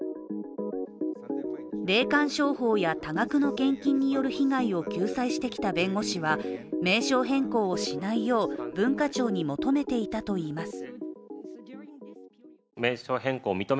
霊感商法や多額の献金による被害を救済してきた弁護士は名称変更をしないよう文化庁に求めていたといいます。